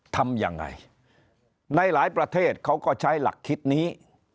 ทำยังไงในหลายประเทศเขาก็ใช้หลักคิดนี้